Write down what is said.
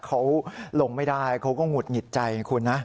เขาลงไม่ได้เขาก็หงุดหงิดใจคุณนะ